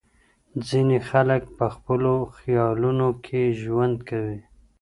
ځينې خلګ په خپلو خيالونو کي ژوند کوي.